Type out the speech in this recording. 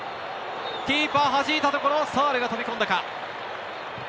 キーパーはじいたところ、サールが飛び込んだか。